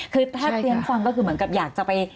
คือถ้าเรียนฟังก็คือเหมือนกับอยากจะไป